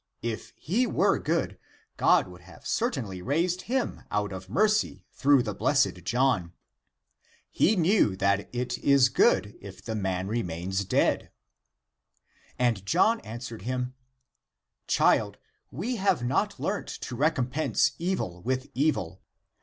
If he were good, God would have certainly raised him out of mercy through the blessed John. He knew that it is good if the man remains dead." And John an swered him, " Child, we have not learnt to recom pense evil with evil.